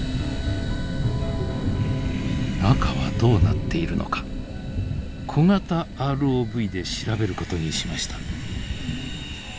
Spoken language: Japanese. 中はどうなっているのか小型ＲＯＶで調べることにしました。